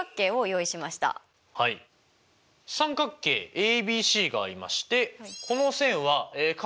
ＡＢＣがありましてこの線は∠